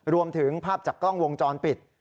รวมถึงภาพจากกล้องวงจรปิด